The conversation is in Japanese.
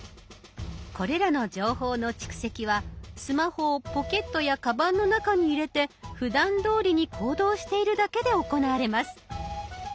これらの情報の蓄積はスマホをポケットやカバンの中に入れてふだんどおりに行動しているだけで行われます。